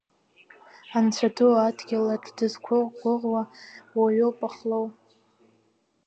Анцәа ду адгьылаҿ дзықәгәыӷуа уаҩуп Ахлоу.